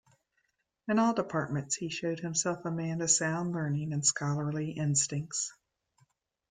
In all departments he showed himself a man of sound learning and scholarly instincts.